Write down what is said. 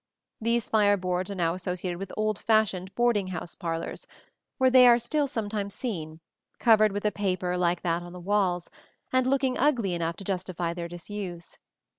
These fire boards are now associated with old fashioned boarding house parlors, where they are still sometimes seen, covered with a paper like that on the walls, and looking ugly enough to justify their disuse.